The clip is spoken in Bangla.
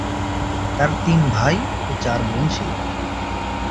তার তিন ভাই ও চার বোন ছিল।